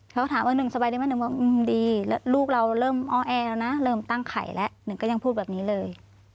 เขาถามว่าหนึ่งสบายดีไหมหนึ่งว่าดีแล้วลูกเราเริ่มอ้อแอแล้วนะเริ่มตั้งไข่แล้วหนึ่งก็ยังพูดแบบนี้เลย